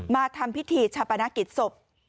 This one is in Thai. มาทำพิธีชาปนกิจศพ